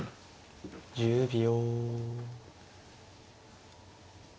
１０秒。